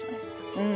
うん。